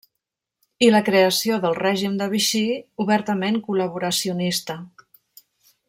I la creació del Règim de Vichy, obertament col·laboracionista.